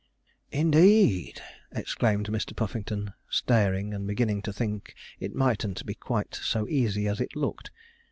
'Indeed,' exclaimed Mr. Puffington, staring, and beginning to think it mightn't be quite so easy as it looked.